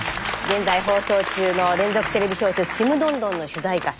現在放送中の連続テレビ小説「ちむどんどん」の主題歌